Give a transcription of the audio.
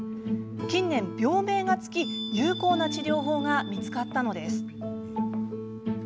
近年病名が付き有効な治療法が見つかったのです。